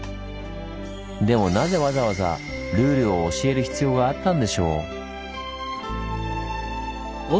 でもなぜわざわざルールを教える必要があったんでしょう？